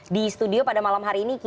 di studio pada malam hari ini